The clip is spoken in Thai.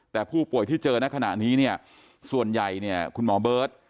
แต่ผู้ป่วยที่เจอนักขณะนี้ส่วนใหญ่คุณหมอเบิร์ต